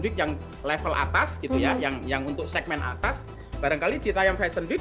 week yang level atas gitu ya yang untuk segmen atas barangkali citayam fashion week